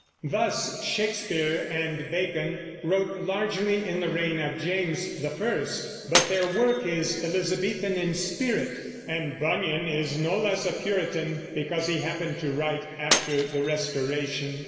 Thus Shakespeare and Bacon wrote largely in the reign of James I, but their work is Elizabethan in spirit; and Bunyan is no less a Puritan because he happened to write after the Restoration.